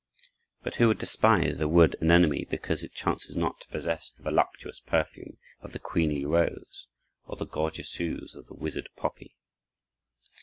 But who would despise the wood anemone because it chances not to possess the voluptuous perfume of the queenly rose or the gorgeous hues of the wizard poppy?